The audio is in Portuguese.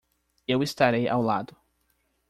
Eu estarei ao lado.